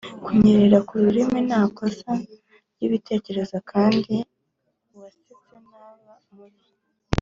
kunyerera kururimi ntakosa ryibitekerezo kandi uwasetse ntaba mubi